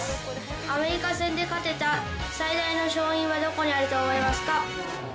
アメリカ戦で勝てた最大の勝因はどこにあると思いますか。